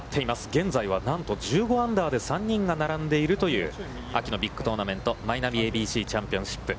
現在は、なんと１５アンダーで３人が並んでいるという秋のビッグトーナメント、マイナビＡＢＣチャンピオンシップ。